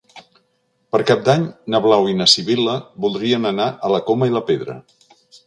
Per Cap d'Any na Blau i na Sibil·la voldrien anar a la Coma i la Pedra.